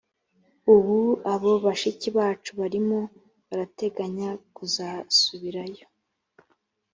ubu abo bashiki bacu barimo barateganya kuzasubirayo